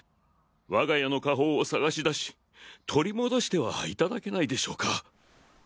我が家の家宝を探しだし取り戻してはいただけないでしょうか。